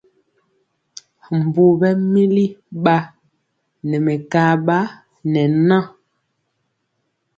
Mbu ɓɛmili ba ne mekaba ne ŋa.